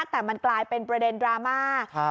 แต่มันกลายเป็นประเด็นดราม่า